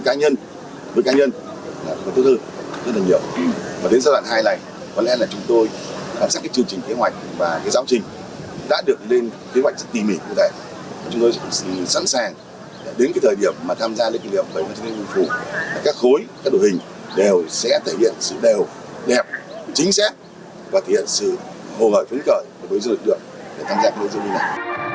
chương trình kế hoạch và giáo trình đã được lên kế hoạch rất tỉ mỉ chúng tôi sẵn sàng đến thời điểm mà tham gia lễ kỷ niệm của bộ công an các khối các đội hình đều sẽ thể hiện sự đều đẹp chính xác và thể hiện sự hồ ngợi phấn cờ với dự lực được để tham gia lễ kỷ niệm này